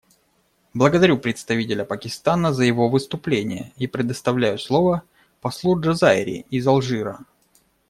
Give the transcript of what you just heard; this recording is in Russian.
Благодарю представителя Пакистана за его выступление и предоставляю слово послу Джазайри из Алжира.